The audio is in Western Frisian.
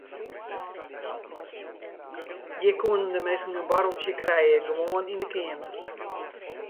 Hjir koenen de minsken in boarreltsje krije gewoan yn de keamer.